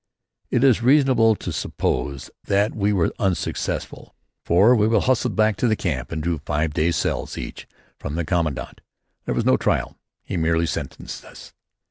It is reasonable to suppose that we were unsuccessful, for we were hustled back to camp and drew five days' cells each from the Commandant. There was no trial. He merely sentenced us.